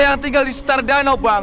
yang tinggal di setar danau bang